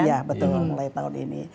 iya betul mulai tahun ini